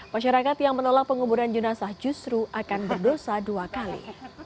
masyarakat yang menolak penguburan jenazah justru akan berdosa dua kali